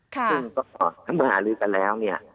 แล้วก็ทั้งหมือหาลือกันแล้วเนี่ย